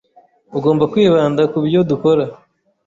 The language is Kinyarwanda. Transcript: Ugomba kwibanda ku byo ukora.